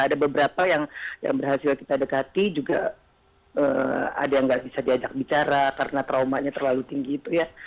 ada beberapa yang berhasil kita dekati juga ada yang nggak bisa diajak bicara karena traumanya terlalu tinggi itu ya